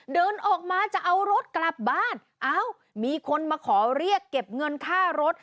เดินออกมาจะเอารถกลับบ้านเอ้ามีคนมาขอเรียกเก็บเงินค่ารถ